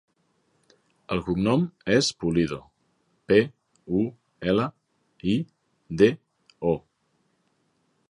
El cognom és Pulido: pe, u, ela, i, de, o.